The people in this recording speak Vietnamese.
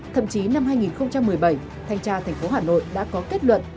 thậm chí năm hai nghìn một mươi bảy thanh tra thành phố hà nội đã có kết luận